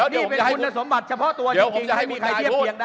นี่เป็นคุณสมบัติเฉพาะตัวจริงจะให้มีใครเทียบเคียงได้